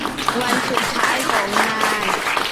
วันสุดท้ายของงาน